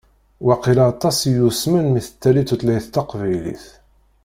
Waqila aṭas i yusmen mi tettali tutlayt taqbaylit.